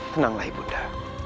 tenanglah ibu nda